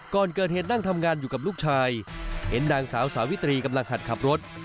ก่อนเกิดเหตุนั่งทำงานอยู่กับลูกชายเห็นนางสาวสาวิตรีกำลังหัดขับรถ